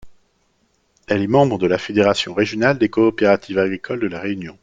Elle est membre de la Fédération régionale des coopératives agricoles de La Réunion.